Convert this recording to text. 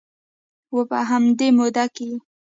و په همدې موده کې یې